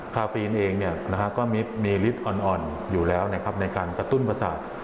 ฟาฟีนเองก็มีฤทธิ์อ่อนอยู่แล้วนะครับในการกระตุ้นประสาท